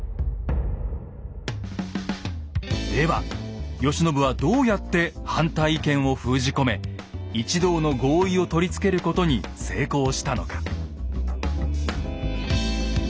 では慶喜はどうやって反対意見を封じ込め一同の合意をとりつけることに成功したのか。